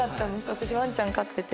私ワンちゃん飼ってて。